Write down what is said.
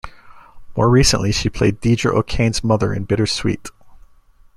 More recently, she played Deirdre O Kane's mother in "Bitter Sweet".